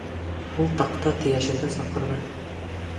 Ул таҡта тейәшергә саҡырҙы.